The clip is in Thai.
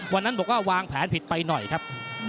วันนั้นบอกว่าวางแผนผิดไปหน่อยครับ